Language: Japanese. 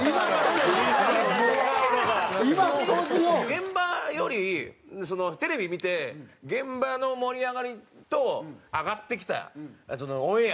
現場よりテレビ見て現場の盛り上がりと上がってきたオンエア